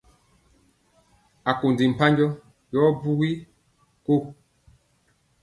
Akondi mpanjɔ yɔ ɓɔɔ bugi ko.